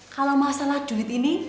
kalau masalah duit ini